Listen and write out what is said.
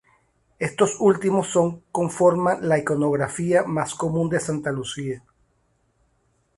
Estos últimos son conforman la iconografía más común de Santa Lucía.